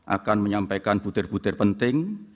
akan menyampaikan butir butir penting